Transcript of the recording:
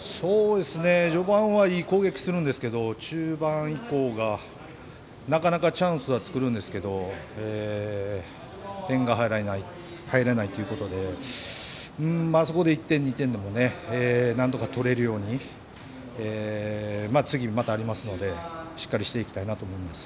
序盤はいい攻撃するんですけど中盤以降がなかなかチャンスは作るんですけど点が入らないということでそこで１点、２点でもなんとか取れるように次、またありますのでしっかりしていきたいなと思います。